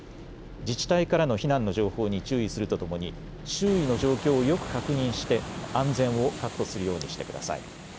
自治体からの避難の情報に注意するとともに周囲の状況をよく確認して安全を確保するようにしてください。